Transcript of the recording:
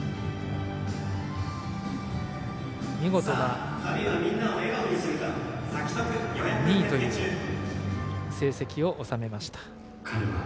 見事な２位という成績を収めました。